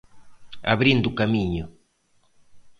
Abrindo camiño.